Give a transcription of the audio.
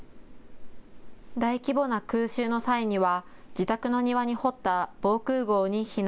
大規模な空襲の際には自宅の庭に掘った防空ごうに避難。